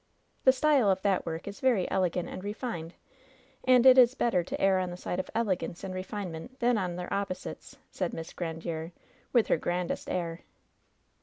"The style of that work is very elegant and refined ; and it is better to err on the side of elegance and refine ment than on their opposites," said Miss Grandiere, with her grandest air.